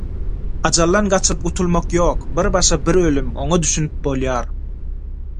Ajaldan gaçyp gutulmak ýok, bir başa bir ölüm – oňa düşünip bolýar